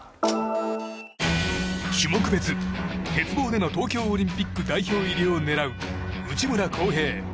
種目別鉄棒での東京オリンピック代表入りを狙う内村航平。